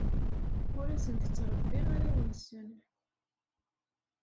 Ur asen-d-ttṛebbiɣ arraw-nsen.